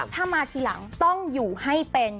ถ้ามาทีหลังต้องอยู่ให้เป็น